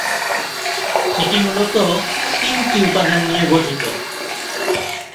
এটি মূলত তিনটি উপাদান নিয়ে গঠিত।